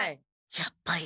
やっぱり。